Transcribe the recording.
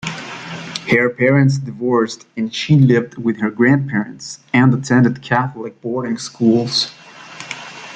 Her parents divorced and she lived with her grandparents and attended Catholic boarding schools.